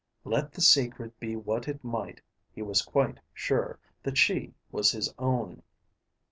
Let the secret be what it might, he was quite sure that she was his own.